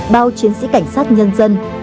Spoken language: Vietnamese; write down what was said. bao chiến sĩ cảnh sát nhân dân